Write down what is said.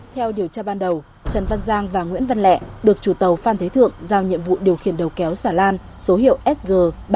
theo điều tra ban đầu trần văn giang và nguyễn văn lệ được chủ tàu phan thế thượng giao nhiệm vụ điều khiển đầu kéo xà lan số hiệu sg ba mươi bảy nghìn bảy trăm bốn mươi năm